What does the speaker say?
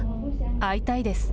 会いたいです。